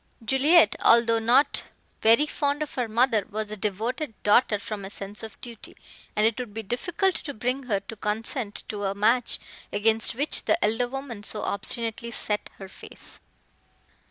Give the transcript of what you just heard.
Juliet, although not very fond of her mother, was a devoted daughter from a sense of duty, and it would be difficult to bring her to consent to a match against which the elder woman so obstinately set her face.